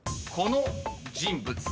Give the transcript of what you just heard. ［この人物］